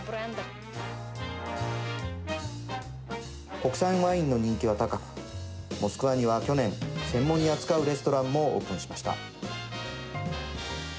国産ワインの人気は高くモスクワには去年専門に扱うレストランもオープンしました。